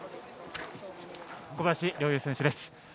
小林陵侑選手です。